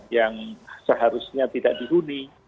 yang seharusnya tidak dihuni